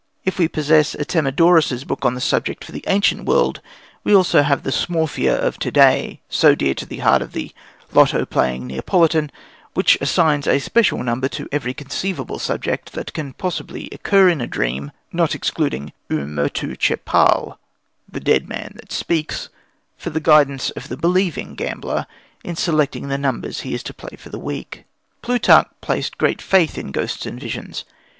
If we possess Artemidorus's book on the subject for the ancient world, we have also the "Smorfia" of to day, so dear to the heart of the lotto playing Neapolitan, which assigns a special number to every conceivable subject that can possibly occur in a dream not excluding "u murtu che parl'" (the dead man that speaks) for the guidance of the believing gambler in selecting the numbers he is to play for the week. Plutarch placed great faith in ghosts and visions.